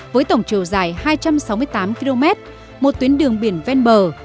với tổng chiều dài hai trăm sáu mươi tám km một tuyến đường biển ven bờ